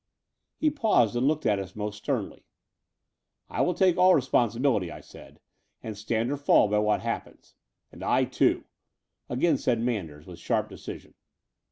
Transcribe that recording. He paused and looked at us almost sternly. I will take all responsibility," I said, "and stand or fall by what happens." "And I, too," again said Manders, with sharp decision.